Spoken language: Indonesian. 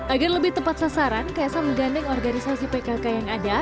agar lebih tepat sasaran kaisang menggandeng organisasi pkk yang ada